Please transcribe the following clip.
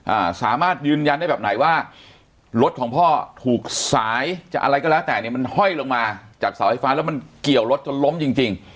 อ่าสามารถยืนยันได้แบบไหนว่ารถของพ่อถูกสายจะอะไรก็แล้วแต่เนี่ยมันห้อยลงมาจากเสาไฟฟ้าแล้วมันเกี่ยวรถจนล้มจริงจริง